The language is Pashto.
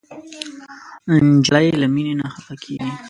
نجلۍ له مینې نه خفه کېږي.